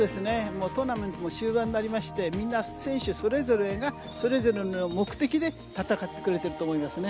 トーナメントも終盤になりましてみんな選手それぞれがそれぞれの目的で戦ってくれていると思いますね。